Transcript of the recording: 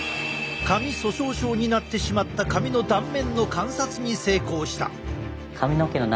髪粗しょう症になってしまった髪の断面の観察に成功した。